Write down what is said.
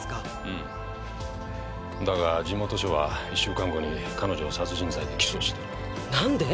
うんだが地元署は１週間後に彼女を殺人罪で起訴してるなんで？